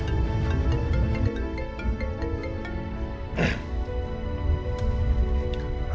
ya mbak suci